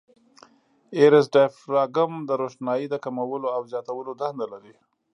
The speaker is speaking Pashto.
آیرس ډایفراګم د روښنایي د کمولو او زیاتولو دنده لري.